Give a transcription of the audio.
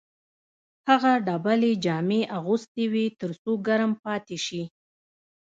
هغه ډبلې جامې اغوستې وې تر څو ګرم پاتې شي